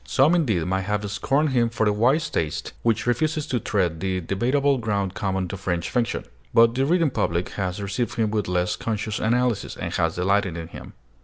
Some, indeed, may have scorned him for the wise taste which refuses to tread the debatable ground common to French fiction. But the reading public has received him with less conscious analysis, and has delighted in him.